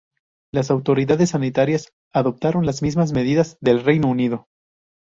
Las autoridades sanitarias adoptaron las mismas medidas del Reino Unido.